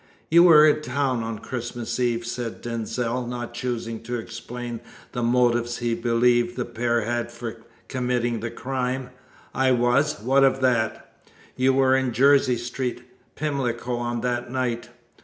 "You were in town on Christmas Eve?" said Denzil, not choosing to explain the motives he believed the pair had for committing the crime. "I was. What of that?" "You were in Jersey Street, Pimlico, on that night."